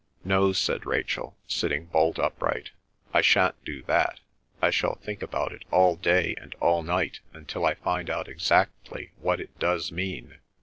"No," said Rachel, sitting bolt upright, "I shan't do that. I shall think about it all day and all night until I find out exactly what it does mean."